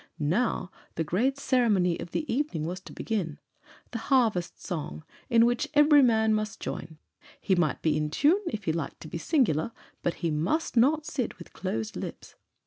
Now the great ceremony of the evening was to begin the harvest song, in which every man must join; he might be in tune, if he liked to be singular, but he must not sit with closed lips.